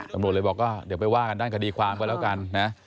ตำรวจเลยบอกว่าเดี๋ยวไปว่ากันด้านคดีความกันแล้วกันนะ